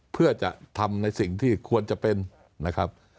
เพื่อจะทำในสิ่งที่ควรจะเป็นนะครับ